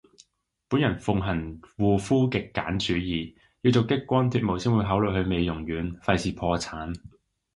本人奉行護膚極簡主義，要做激光脫毛先會考慮去美容院，廢事破產